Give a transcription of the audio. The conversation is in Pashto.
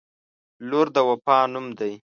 • لور د وفا نوم دی.